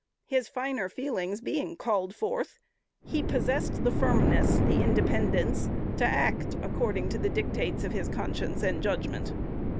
His finer feelings being called forth, he possessed the firmness, the independence, to act according to the dictates of his conscience and judgment.